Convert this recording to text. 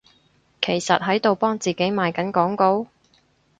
其實喺度幫自己賣緊廣告？